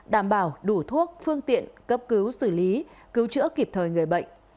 đảm bảo đủ thuốc phương tiện cấp cứu xử lý cứu chữa kịp thời người bệnh